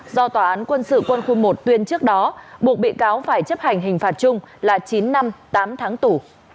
do tòa án quân sự quân khu một tuyên trước đó buộc bị cáo phải chấp hành hình phạt chung là chín năm tám tháng tù